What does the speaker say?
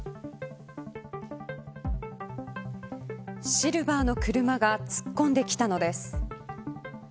シルバーの車が突っ込んできたのです。